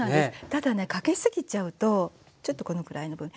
ただねかけすぎちゃうとちょっとこのぐらいの分。